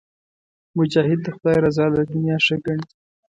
مجاهد د خدای رضا له دنیا ښه ګڼي.